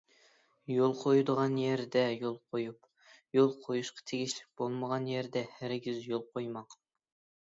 يول قويىدىغان يەردە يول قويۇپ، يول قويۇشقا تېگىشلىك بولمىغان يەردە ھەرگىز يول قويماڭ.